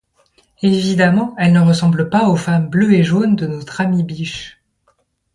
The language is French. Évidemment elle ne ressemble pas aux femmes bleues et jaunes de notre ami Biche.